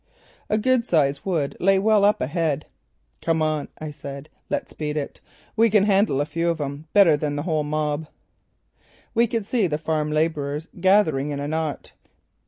A good sized wood lay well up ahead. "Come on," I said. "Let's beat it. We can handle a few of 'em better than the whole mob." We could see the farm labourers gathering in a knot.